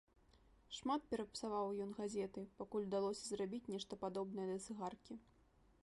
Шмат перапсаваў ён газеты, пакуль удалося зрабіць нешта падобнае да цыгаркі.